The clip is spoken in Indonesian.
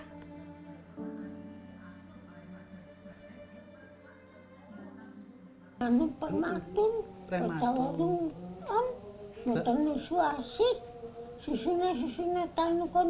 kepada bapaknya limit ke bestenawan bapak yowo waskaku mendatangkan dua rupiah untuk presentations